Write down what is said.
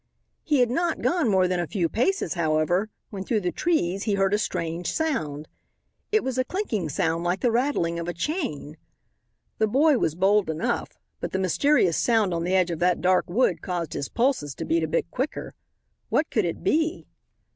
He had not gone more than a few paces, however, when through the trees he heard a strange sound. It was a clinking sound like the rattling of a chain. The boy was bold enough, but the mysterious sound on the edge of that dark wood caused his pulses to beat a bit quicker. What could it be?